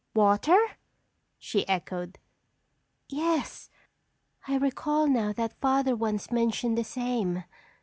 "Water?" she echoed. "Yes, I recall now that Father once mentioned the same.